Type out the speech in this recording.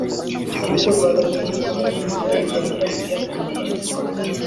urubyiruko rwagaragaje ko hari uruhare rwagira mu kuyakumira